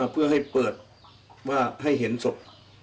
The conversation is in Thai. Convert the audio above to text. เพื่อให้เปิดว่าให้เห็นศพ